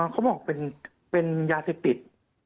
เขาบอกเป็นยาเสพติด